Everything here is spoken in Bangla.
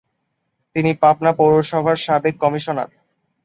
তিনি পাবনা পৌরসভার সাবেক কমিশনার।